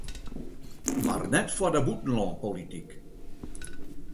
Mar net foar bûtenlânpolityk.